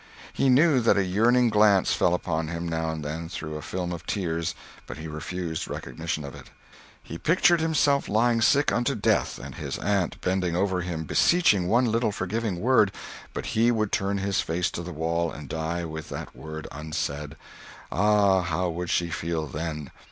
He knew that a yearning glance fell upon him, now and then, through a film of tears, but he refused recognition of it. He pictured himself lying sick unto death and his aunt bending over him beseeching one little forgiving word, but he would turn his face to the wall, and die with that word unsaid. Ah, how would she feel then?